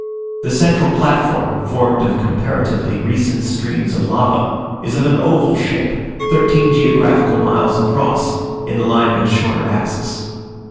The central platform, formed of comparatively recent streams of lava, is of an oval shape, thirteen geographical miles across, in the line of its shorter axis.